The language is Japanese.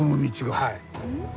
はい。